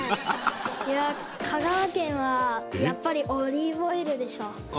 いや香川県はやっぱりオリーブオイルでしょ。